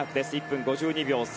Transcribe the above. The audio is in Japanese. １分５２秒３９。